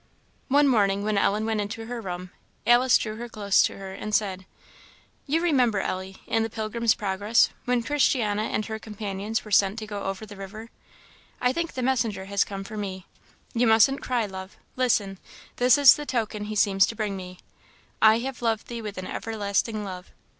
One morning, when Ellen went into her room, Alice drew her close to her and said "You remember, Ellie, in the Pilgrim's Progress, when Christiana and her companions were sent to go over the river? I think the messenger has come for me. You mustn't cry, love; listen this is the token he seems to bring me 'I have loved thee with an everlasting love.'